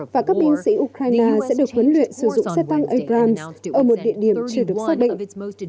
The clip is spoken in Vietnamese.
và các binh sĩ ukraine sẽ được huấn luyện sử dụng xe tăng egram ở một địa điểm chưa được xác định